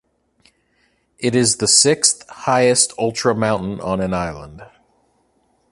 It is the sixth highest ultra mountain on an island.